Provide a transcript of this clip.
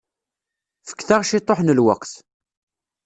Fket-aɣ ciṭuḥ n lweqt.